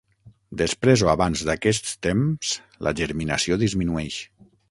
Després o abans d'aquest temps la germinació disminueix.